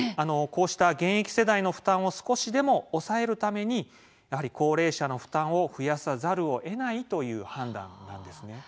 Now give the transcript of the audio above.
こうした現役世代の負担を少しでも抑えるために、高齢者の負担を増やさざるをえないという判断なんですね。